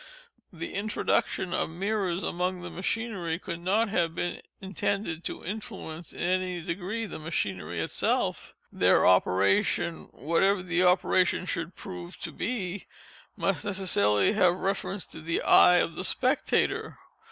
The introduction of mirrors among the machinery could not have been intended to influence, in any degree, the machinery itself. Their operation, whatever that operation should prove to be, must necessarily have reference to the eye of the spectator.